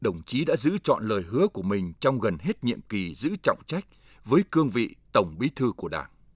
đồng chí đã giữ chọn lời hứa của mình trong gần hết nhiệm kỳ giữ trọng trách với cương vị tổng bí thư của đảng